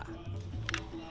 selain itu doa tanda